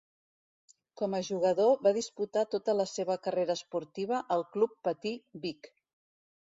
Com a jugador va disputar tota la seva carrera esportiva al Club Patí Vic.